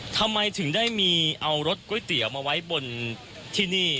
ทำไมถึงได้มีเอารสก๋วยเตี๋ยวมาไว้บนที่นี่